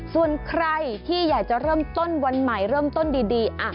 ส่วนใครที่อยากจะเริ่มต้นวันใหม่เริ่มต้นดี